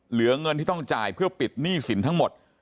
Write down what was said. เหลือเงินที่ต้องจ่ายเพื่อปิดหนี้สินทั้งหมด